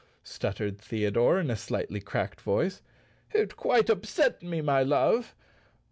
stuttered Theodore, in a slightly cracked voice. "It quite upset me, my love.